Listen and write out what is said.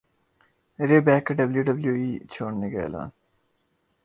رے بیک کا W W E چھوڑنے کا اعلان